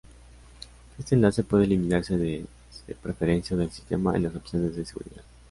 Este enlace puede eliminarse desde Preferencias del Sistema, en las opciones de seguridad.